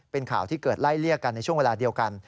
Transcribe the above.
เป็นข่าวที่เกิดไล่เลี่ยกันในช่วงเวลาเดียวกัน